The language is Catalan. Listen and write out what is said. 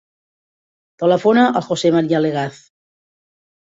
Telefona al José maria Legaz.